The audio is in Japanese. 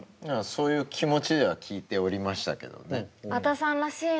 そういう気持ちでは聴いておりましたけどね。